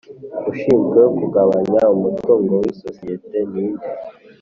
ushinzwe kugabanya umutungo w isosiyete ni nde